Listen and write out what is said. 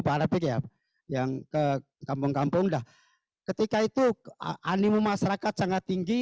para pkp yang ke kampung kampung ketika itu animum masyarakat sangat tinggi